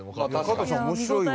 加藤さん面白いわ。